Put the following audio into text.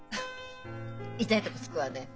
痛いとこつくわね。